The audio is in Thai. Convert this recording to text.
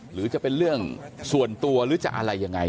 หรือจะเป็นเรื่องส่วนตัวหรือจะอะไรยังไง